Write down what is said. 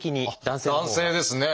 男性ですね！